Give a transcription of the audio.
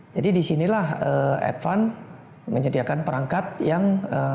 jadi disinilah advan menyediakan perangkat yang